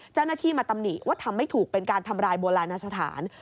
เจ้าหน้าที่มาตำหนิว่าทำไม่ถูกเป็นการทำลายโบราณสถาน